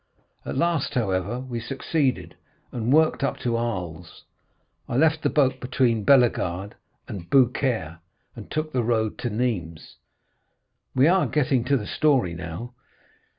At last, however, we succeeded, and worked up to Arles. I left the boat between Bellegarde and Beaucaire, and took the road to Nîmes." "We are getting to the story now?"